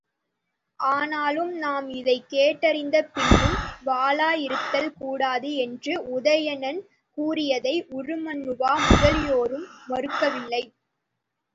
ஆனாலும் நாம் இதனைக் கேட்டறிந்த பின்னும் வாளா இருத்தல் கூடாது என்று உதயணன் கூறியதை உருமண்ணுவா முதலியோரும் மறுக்கவில்லை.